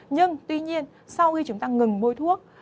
nhưng tuy nhiên sau khi chúng ta ngừng mua thuốc